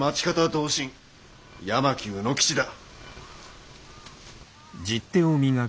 同心八巻卯之吉だ。